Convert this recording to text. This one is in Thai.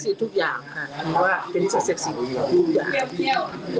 สิทธิ์ทุกอย่างค่ะแต่ว่าเป็นเศรษฐกิจอยู่อยู่อย่างนี้